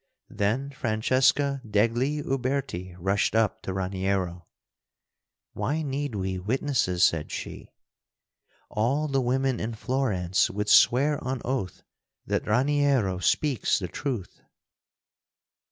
Then Francesca degli Uberti rushed up to Raniero. "Why need we witnesses?" said she. "All the women in Florence would swear on oath that Raniero speaks the truth!"